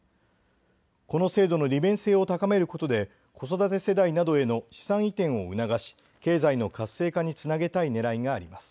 この制度の利便性を高めることで子育て世代などへの資産移転を促し、経済の活性化につなげたいねらいがあります。